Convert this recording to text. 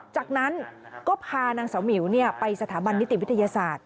จากนั้นก็พานางสาวหมิวไปสถาบันนิติวิทยาศาสตร์